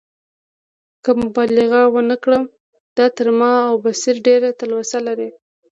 که مبالغه ونه کړم، دا تر ما او بصیر ډېره تلوسه لري.